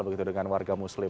begitu dengan warga muslim